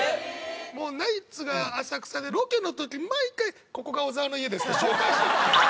もうナイツが浅草でロケの時毎回「ここが小沢の家です」って紹介してたの。